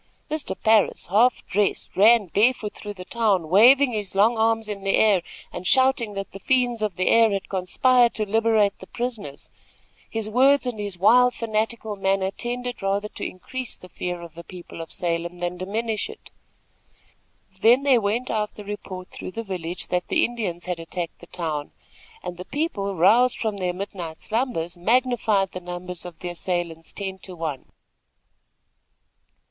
Mr. Parris, half dressed, ran barefoot through the town, waving his long arms in the air, and shouting that the fiends of the air had conspired to liberate the prisoners. His words and his wild, fanatical manner tended rather to increase the fear of the people of Salem, than diminish it. Then there went out the report through the village that the Indians had attacked the town, and the people, roused from their midnight slumbers, magnified the numbers of the assailants ten to one.